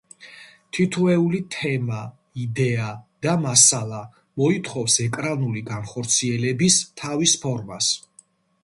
თითოეული თემა, იდეა და მასალა, მოითხოვს ეკრანული განხორციელების თავის ფორმას.